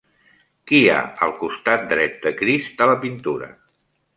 Qui hi ha al costat dret de Crist a la pintura?